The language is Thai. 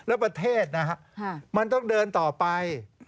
แล้วประเทศนะฮะมันต้องเดินต่อไป